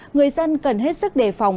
người dân cần hết sức đề phòng